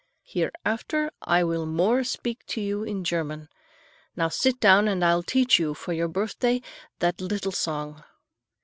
"Hereafter I will more speak to you in German. Now, sit down and I will teach you for your birthday that little song.